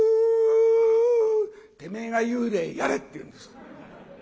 てめえが幽霊やれっていうんです。